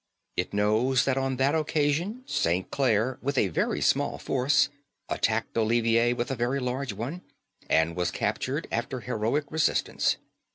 It knows that on that occasion St. Clare with a very small force attacked Olivier with a very large one, and was captured after heroic resistance.